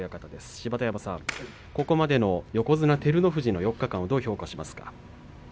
芝田山さん、ここまでの横綱照ノ富士の４日間はどう評価しますか？